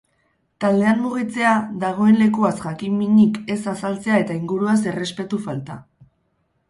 Taldean mugitzea, dagoen lekuaz jakin-minik ez azaltzea eta inguruaz errespetu falta.